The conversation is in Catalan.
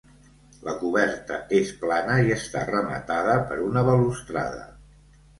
La coberta és plana i està rematada per una balustrada.